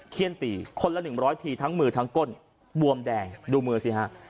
เขี้ยนตีคนละ๑๐๐ทีทั้งมือทั้งก้นบวมแดงดูมือสิฮะ